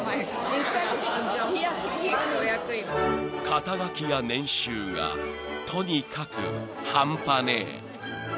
［肩書や年収がとにかく半端ねぇ］